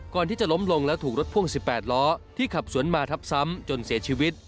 ก่อนที่จะล้มลงแล้วถูกรถพ่วง๑๘ล้อที่ขับสวนมาทับซ้ำจนเสียชีวิต